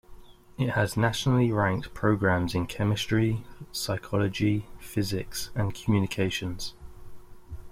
It has nationally ranked programs in chemistry, psychology, physics, and communications.